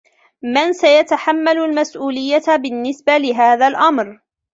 من سيتحمل المسؤولية بالنسبة لهذا الأمر ؟